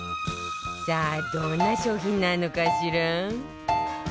さあどんな商品なのかしら？